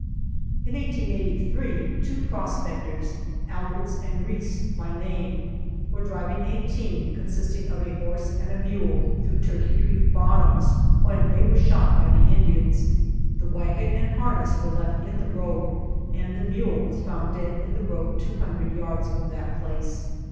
In 1883 two prospectors, Alberts and Reese by name, were driving a team, con sisting of a horse and a mule, through Tur key Creek bottoms, when they were shot by the Indians. The wagon and harness were left in the road, and the mule was found dead in the road two hundred yards from that place.